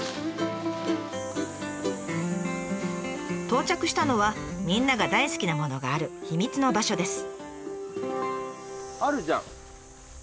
到着したのはみんなが大好きなものがある秘密の場所です。